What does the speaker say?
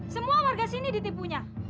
semua warga sini ditipunya